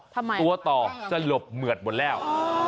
ตัวต่อสลบเหมือดหมดแล้ว